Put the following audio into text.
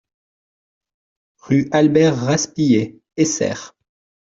Rue Albert Raspiller, Essert